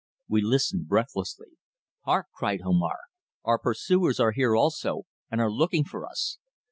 We listened breathlessly. "Hark!" cried Omar. "Our pursuers are here also, and are looking for us!"